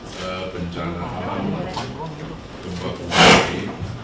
kebencanaan tempat kuasa di